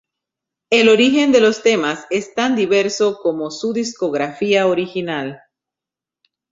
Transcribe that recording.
El origen de los temas es tan diverso como su discografía original.